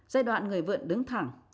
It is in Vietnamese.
giai đoạn người vượn đứng thẳng